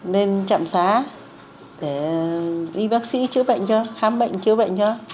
nên trạm xá để y bác sĩ chữa bệnh cho khám bệnh chữa bệnh cho